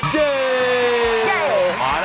เจ้า